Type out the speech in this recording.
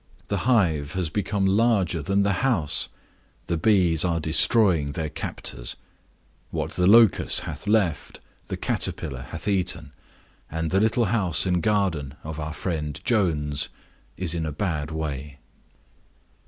The hive has become larger than the house, the bees are destroying their captors; what the locust hath left, the caterpillar hath eaten; and the little house and garden of our friend Jones is in a bad way.